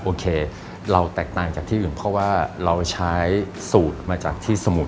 โอเคเราแตกต่างจากที่อื่นเพราะว่าเราใช้สูตรมาจากที่สมุทร